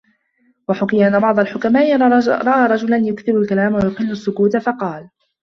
وَحُكِيَ أَنَّ بَعْضَ الْحُكَمَاءِ رَأَى رَجُلًا يُكْثِرُ الْكَلَامَ وَيُقِلُّ السُّكُوتَ فَقَالَ